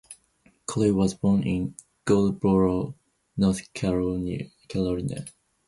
Coley was born in Goldsboro, North Carolina.